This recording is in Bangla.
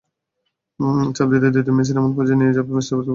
চাপ দিতে দিতে মেসিরা এমন পর্যায়ে নিয়ে যাবে ম্যাচটা, প্রতিপক্ষ ভুল করবেই।